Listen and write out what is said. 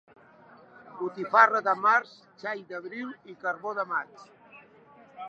Botifarra de març, xai d'abril i carbó de maig.